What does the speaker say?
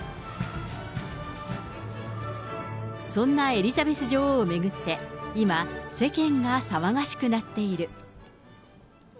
そんなエリザベス女王を巡って、今、世間が騒がしくなっている。